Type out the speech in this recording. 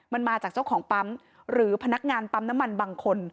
มันมาจากเจ้าของปั๊มหรือพนักงานปั๊มน้ำมันบางคน